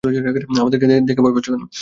আমাদেরকে দেখে ভয় পাচ্ছো কেন?